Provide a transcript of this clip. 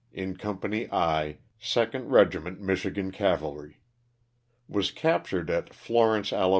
in Company I, 2nd Eegiment Michigan Cavalry. Was captured at Flor ence, Ala.